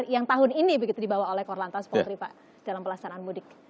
yang tahun ini begitu dibawa oleh korlantas polri pak dalam pelaksanaan mudik